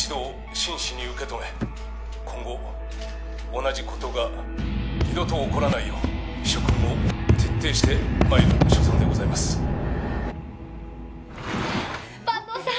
真摯に受け止め今後同じことが二度と起こらないよう職務を徹底してまいる所存でございます坂東さん